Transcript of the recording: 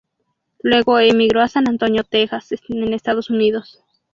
Luego emigró a San Antonio, Texas, en Estados Unidos.